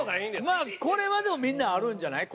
まあこれはでもみんなあるんじゃない？